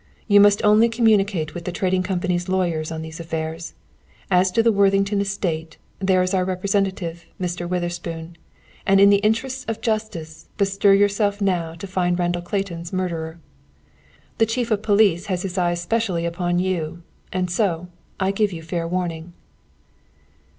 You must only communicate with the Trading Company's lawyers on these affairs. As to the Worthington Estate, there is our representative, Mr. Witherspoon. And, in the interests of justice, bestir yourself now to find Randall Clayton's murderer. "The chief of police has his eyes specially upon you, and so, I give you a fair warning."